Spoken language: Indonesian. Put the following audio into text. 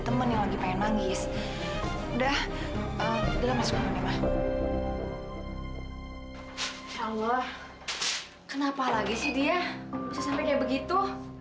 temen lagi pengen manggis udah udah masuk allah kenapa lagi sih dia sampai begitu